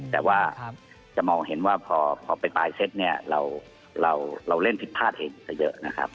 แต่ว่าจะมองเห็นว่าพอไปปลายเซ็ตเนี่ยเราเล่นผิดพลาดเองซะเยอะนะครับ